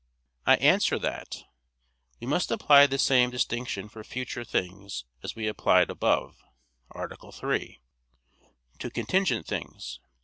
I answer that, We must apply the same distinction to future things, as we applied above (A. 3) to contingent things.